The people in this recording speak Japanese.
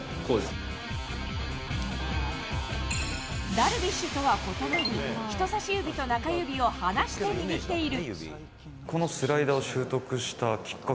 ダルビッシュとは異なり人さし指と中指を離して握っている。